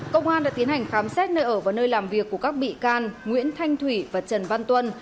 công an đã tiến hành khám xét nơi ở và nơi làm việc của các bị can nguyễn thanh thủy và trần văn tuân